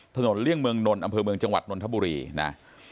เลี่ยงเมืองนนท์อำเภอเมืองจังหวัดนนทบุรีนะ